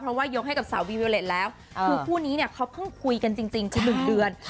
เพราะว่ายกให้กับสาววีวิวเล็ตแล้วคู่นี้เขาเพิ่งคุยกันจริงจน๑เดือน